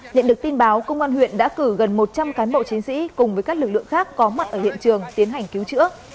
nhận được tin báo công an huyện đã cử gần một trăm linh cán bộ chiến sĩ cùng với các lực lượng khác có mặt ở hiện trường tiến hành cứu chữa